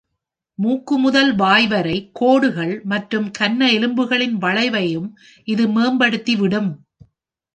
மூக்கு-முதல்-வாய் வரை கோடுகள் மற்றும் கன்ன எலும்புகளின் வளைவையும் இது மேம்படுத்தி விடும்.